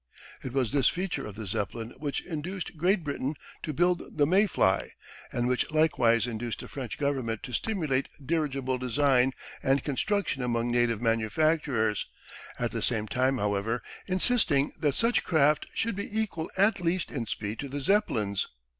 It was this feature of the Zeppelin which induced Great Britain to build the May fly and which likewise induced the French Government to stimulate dirigible design and construction among native manufacturers, at the same time, however, insisting that such craft should be equal at least in speed to the Zeppelins.